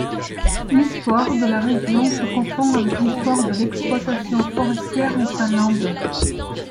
L’histoire de la région se confond avec l’histoire de l’exploitation forestière en Finlande.